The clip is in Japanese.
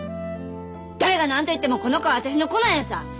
誰が何と言ってもこの子は私の子なんやさ！